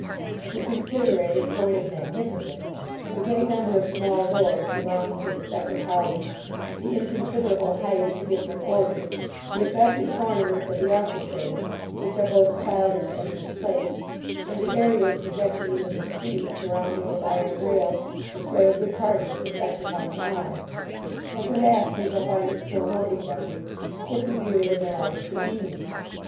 If we consider it in point of magnificence, the great number of small doors belonging to the separate houses, the inconsiderable height of the different orders, the affected ornaments of the architrave, which are both childish and misplaced, and the areas projecting into the street, surrounded with iron rails, destroy a good part of its effect upon the eye; and, perhaps, we shall find it still more defective, if we view it in the light of convenience.